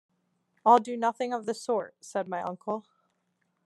“I’ll do nothing of the sort,” said my uncle.